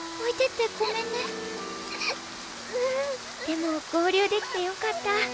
でも合流できてよかった。